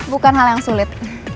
bukan hal yang sulit